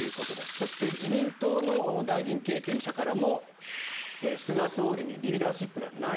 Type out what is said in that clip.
そして自民党の大臣経験者からも菅総理にリーダーシップがない。